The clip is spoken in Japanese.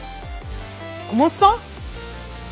小松さん？